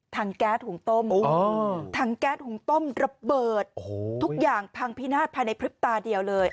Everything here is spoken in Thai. แก๊สหุงต้มถังแก๊สหุงต้มระเบิดทุกอย่างพังพินาศภายในพริบตาเดียวเลย